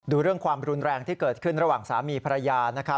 ดูเรื่องความรุนแรงที่เกิดขึ้นระหว่างสามีภรรยา